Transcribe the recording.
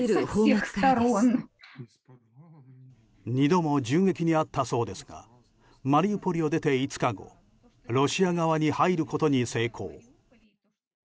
２度も銃撃に遭ったそうですがマリウポリを出て５日後ロシア側に入ることに成功。